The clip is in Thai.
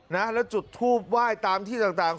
นะแล้วจุดทูบไหว้ตามที่ต่าง